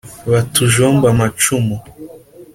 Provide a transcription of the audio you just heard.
Batujombe amacumu